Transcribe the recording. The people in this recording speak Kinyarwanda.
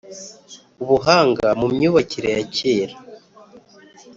Ubuhanga mu myubakire ya kera